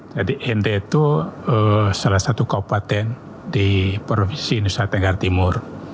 jadi nd itu salah satu kabupaten di provinsi nusa tenggara timur